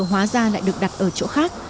hóa ra lại được đặt ở chỗ khác